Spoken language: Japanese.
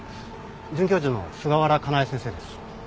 准教授の菅原香奈枝先生です。